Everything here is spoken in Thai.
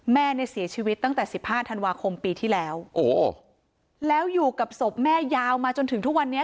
แม่เนี่ยเสียชีวิตตั้งแต่สิบห้าธันวาคมปีที่แล้วโอ้โหแล้วอยู่กับศพแม่ยาวมาจนถึงทุกวันนี้